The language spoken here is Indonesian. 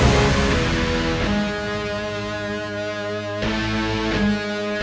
lu di muram